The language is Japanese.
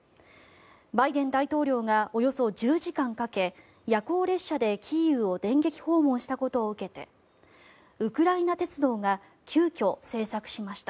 バイデン大統領がおよそ１０時間かけ夜行列車でキーウを電撃訪問したことを受けてウクライナ鉄道が急きょ、制作しました。